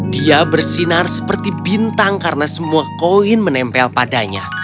dia bersinar seperti bintang karena semua koin menempel padanya